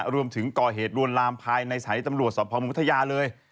รวมถึงก่อเหตุลวนลามภายในสายตำรวจสภเมืองพัทยาเลย